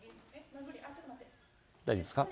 大丈夫ですか？